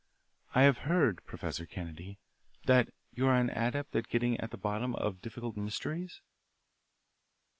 "I have heard, Professor Kennedy, that you are an adept at getting at the bottom of difficult mysteries."